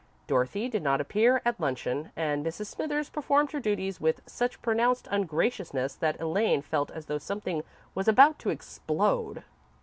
Dorothy did not appear at luncheon, and Mrs. Smithers performed her duties with such pronounced ungraciousness that Elaine felt as though something was about to explode.